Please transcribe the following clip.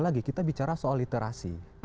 lagi kita bicara soal literasi